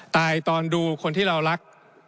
ตอนดูคนที่เรารัก